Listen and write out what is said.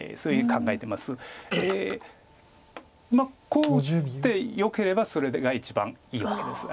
こう打ってよければそれが一番いいわけです。